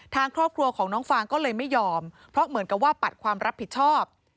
ทางครอบครัวของน้องฟางก็เลยไม่ยอมเพราะเหมือนกับว่าปัดความรับผิดชอบ